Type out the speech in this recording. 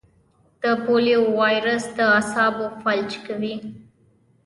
د پولیو وایرس د اعصابو فلج کوي.